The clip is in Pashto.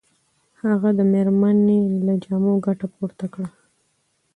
هغه د مېرمنې له جامو ګټه پورته کړه.